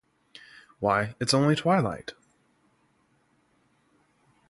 Why, it’s only twilight.